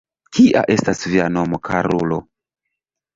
Kia estas via nomo, karulo?